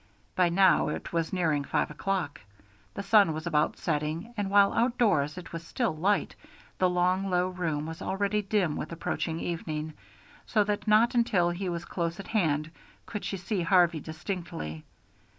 By now it was nearing five o'clock. The sun was about setting, and while outdoors it was still light, the long low room was already dim with approaching evening, so that not until he was close at hand could she see Harvey distinctly.